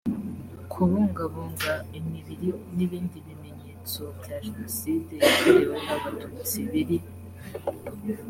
kubungabunga imibiri n ibindi bimenyetso bya jenoside yakorewe abatutsi biri